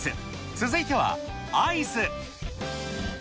続いてはアイス。